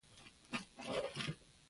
کله چې مړه شي نو مېږي مرغۍ خوري.